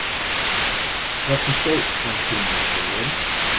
Wat fynsto fan de klimaatferoaring?